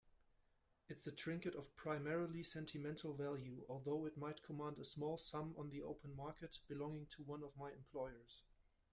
It's a trinket of primarily sentimental value, although it might command a small sum on the open market, belonging to one of my employers.